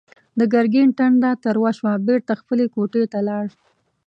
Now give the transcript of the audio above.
د ګرګين ټنډه تروه شوه، بېرته خپلې کوټې ته لاړ.